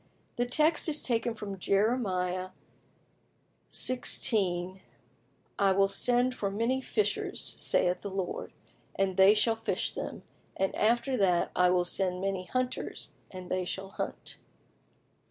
The text is taken from Jeremiah xvi. 16, "I will send for many fishers, saith the Lord, and they shall fish them; and after that I will send many hunters, and they shall hunt."